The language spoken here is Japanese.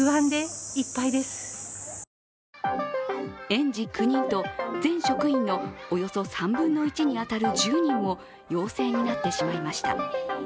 園児９人と全職員のおよそ３分の１に当たる１０人も陽性になってしまいました。